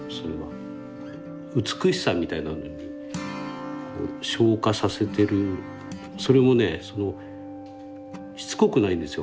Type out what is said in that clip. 美しさみたいなのに昇華させてるそれもねしつこくないんですよ。